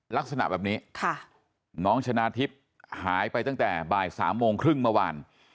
ลักษณะแบบนี้น้องชนะทิพย์หายไปตั้งแต่บ่าย๓โมงครึ่งเมื่อวาน